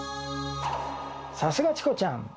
さすがチコちゃん！